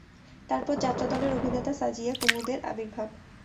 তারপর যাত্রাদলের অভিনেতা সাজিয়া কুমুদের আবির্ভাব।